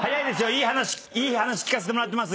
いい話いい話聞かせてもらってます